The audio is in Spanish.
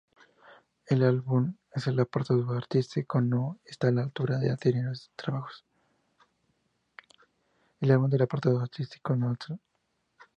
El álbum, en el apartado artístico, no está a la altura de anteriores trabajos.